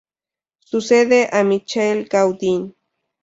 Sucede a Michel Gaudin.